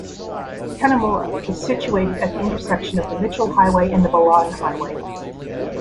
Cunnamulla is situated at the intersection of the Mitchell Highway and the Balonne Highway.